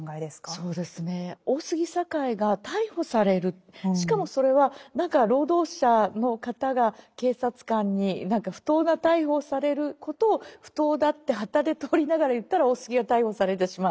そうですね大杉栄が逮捕されるしかもそれは何か労働者の方が警察官に何か不当な逮捕をされることを不当だってはたで通りながら言ったら大杉が逮捕されてしまう。